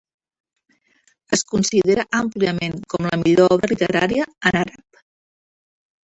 Es considera àmpliament com la millor obra literària en àrab.